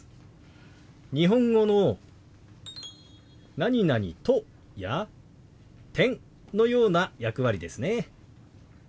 日本語の「と」や「、」のような役割ですね。